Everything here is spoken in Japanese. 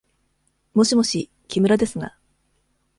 もしもし、木村ですが。